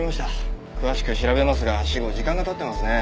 詳しくは調べますが死後時間がたってますね。